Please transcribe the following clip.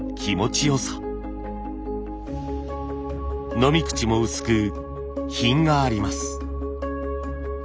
飲み口も薄く品があります。